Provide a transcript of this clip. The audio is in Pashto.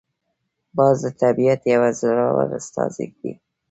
باز د طبیعت یو زړور استازی دی